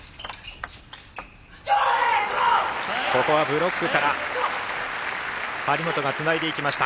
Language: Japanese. ここはブロックから張本がつないでいきました。